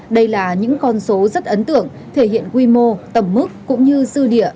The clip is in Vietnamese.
đây là những con số rất ấn tượng thể hiện quy mô tầm mức cũng như dư địa